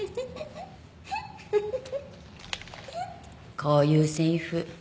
こういうセリフ